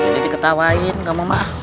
jadi ketawain nggak mau maaf